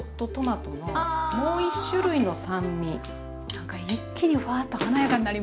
なんか一気にふわっと華やかになりましたね。